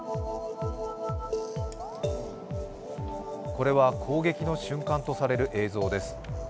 これは攻撃の瞬間とされる映像です。